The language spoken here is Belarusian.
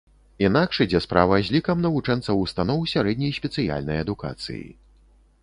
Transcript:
Інакш ідзе справа з лікам навучэнцаў устаноў сярэдняй спецыяльнай адукацыі.